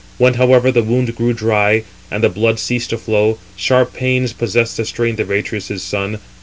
When, however, the wound grew dry, and the blood ceased [to flow], sharp pains possessed the strength of Atreus's son.